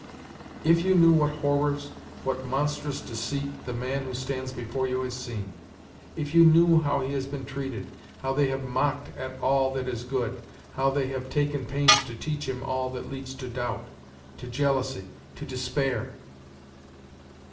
If you knew what horrors, what monstrous deceit, the child who stands before you has seen! If you knew how he had been treated, how they have mocked at all that is good, how they have taken pains to teach him all that leads to doubt, to jealousy, to despair!